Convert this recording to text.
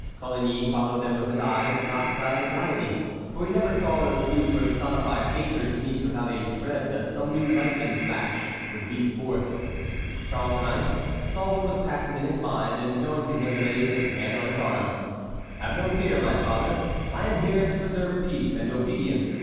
Coligny followed them with his eyes, not without anxiety, for he never saw those two personified hatreds meet without a dread that some new lightning flash would leap forth. Charles IX. saw what was passing in his mind, and, going to him, laid his hand on his arm: "Have no fear, my father; I am here to preserve peace and obedience.